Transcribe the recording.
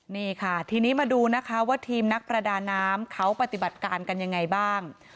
นี่ค่ะทีนี้มาดูนะคะว่าทีมนักประดาน้ำเขาปฏิบัติการกันยังไงบ้าง